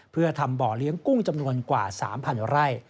เพื่อทำบ่อเลี้ยงกุ้งจำนวนกว่า๓๐๐ไร่